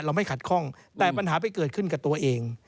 ไม่ขัดข้องแต่ปัญหาไปเกิดขึ้นกับตัวเอง